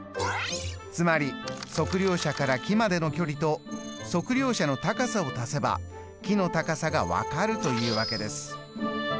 つまり測量者から木までの距離と測量者の高さを足せば木の高さが分かるというわけです。